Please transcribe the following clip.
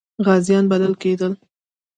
غازیان بلل کېدل.